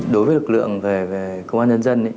đối với lực lượng về công an nhân dân